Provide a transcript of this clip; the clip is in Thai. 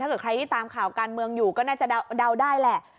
เกิดใครที่ตามข่าวการเมืองอยู่ก็น่าจะเดาได้แหละ